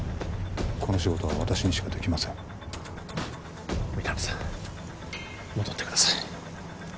この仕事は私にしかできません皆実さん戻ってください